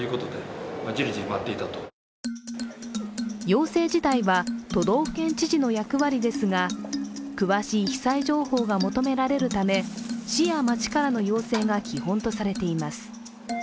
要請自体は都道府県知事の役割ですが、詳しい被災情報が求められるため市や町からの要請が基本とされています。